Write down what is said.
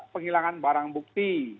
penghilangan barang bukti